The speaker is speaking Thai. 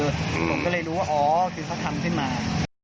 เราก็เลยรู้ว่าเขาทำขึ้นมา